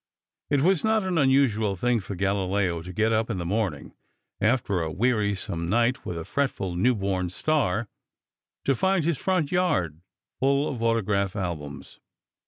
It was not an unusual thing for Galileo to get up in the morning, after a wearisome night with a fretful new born star, to find his front yard full of autograph albums.